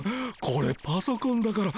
これパソコンだから。